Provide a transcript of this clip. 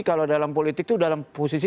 kalau dalam politik itu dalam posisi